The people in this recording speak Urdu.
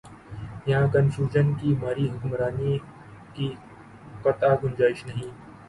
یہاں کنفیوژن کی ماری حکمرانی کی قطعا گنجائش نہیں۔